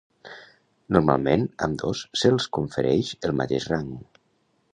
Normalment, ambdós se'ls confereix el mateix rang.